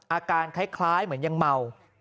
อาการคล้ายเหมือนยังเมา